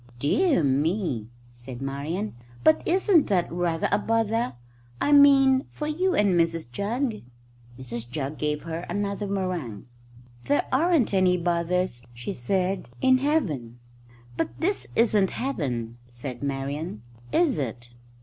"Dear me!" said Marian; "but isn't that rather a bother I mean for you and Mrs Jugg?" Mrs Jugg gave her another meringue. "There aren't any bothers," she said, "in Heaven." "But this isn't Heaven," said Marian, "is it?"